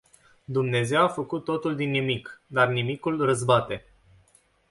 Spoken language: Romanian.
Dumnezeu a făcut totul din nimic. Dar nimicul răzbate.